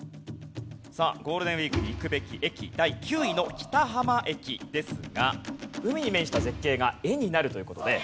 ゴールデンウィークに行くべき駅第９位の北浜駅ですが海に面した絶景が絵になるという事で切手の絵柄にも使用されていました。